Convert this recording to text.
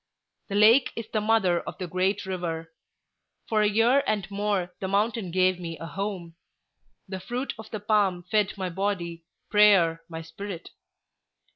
The lake is the mother of the great river. For a year and more the mountain gave me a home. The fruit of the palm fed my body, prayer my spirit.